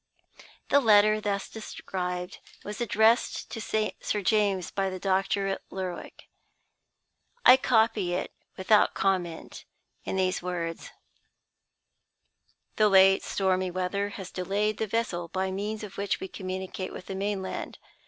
The letter thus described was addressed to Sir James by the doctor at Lerwick. I copy it (without comment) in these words: "The late stormy weather has delayed the vessel by means of which we communicate with the mainland.